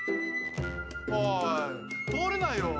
おい通れないよ。